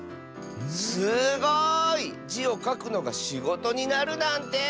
すごい！「じ」をかくのがしごとになるなんて！